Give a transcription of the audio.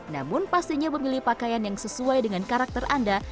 namun pastinya memilih pakaian yang sesuai dengan karakter anda